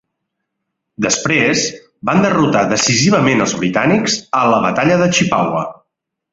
Després, van derrotar decisivament els britànics a la batalla de Chippawa.